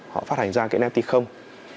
họ phát hành ra cái nft không